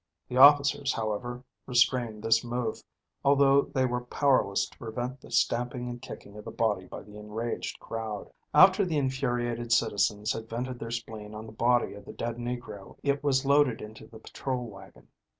The officers, however, restrained this move, although they were powerless to prevent the stamping and kicking of the body by the enraged crowd. After the infuriated citizens had vented their spleen on the body of the dead Negro it was loaded into the patrol wagon.